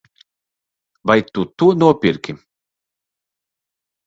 Vai tu to nopirki?